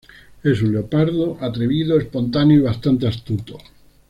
Es un leopardo atrevido, espontáneo y bastante astuto.